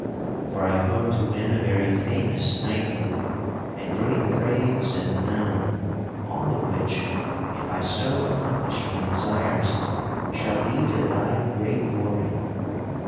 For I hope to win a very famous knighthood and great praise and renown, all of which, if I so accomplish my desires, shall be to thy great glory.